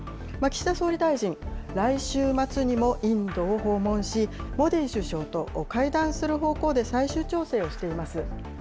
岸田総理大臣、来週末にもインドを訪問し、モディ首相と会談する方向で最終調整をしています。